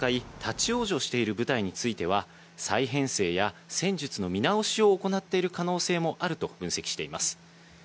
ただ、首都・キエフに向かい、立ち往生している部隊については、再編成や戦術の見直しを行っている可能性もあると分析しています。